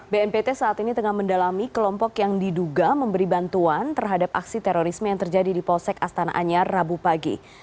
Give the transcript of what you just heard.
bnpt saat ini tengah mendalami kelompok yang diduga memberi bantuan terhadap aksi terorisme yang terjadi di polsek astana anyar rabu pagi